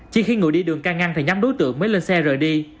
chỉ khi ngồi đi đường ca ngăn thì nhóm đối tượng mới lên xe rời đi